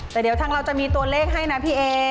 แต่เดี๋ยวทางเราจะมีตัวเลขให้นะพี่เอ